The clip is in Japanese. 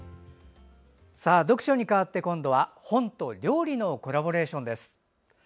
読書にかわって今度は本と料理のコラボレーションです。